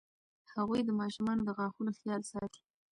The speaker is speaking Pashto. هغوی د ماشومانو د غاښونو خیال ساتي.